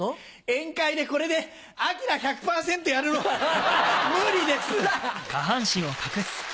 宴会でこれでアキラ１００％やるの無理です！こら！